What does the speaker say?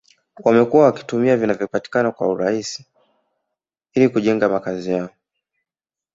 Wamekuwa wakitumia vinavyopatikana kwa urahisi ili kujenga makazi yao